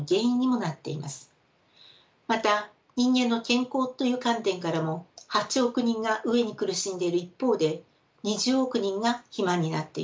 また人間の健康という観点からも８億人が飢えに苦しんでいる一方で２０億人が肥満になっています。